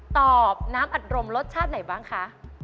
น้ำอัดลมรสชาติไหนบ้างคะ